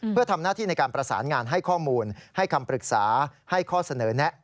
เพื่อทำหน้าที่ในการประสานงานให้ข้อมูลให้คำปรึกษาให้ข้อเสนอแนะ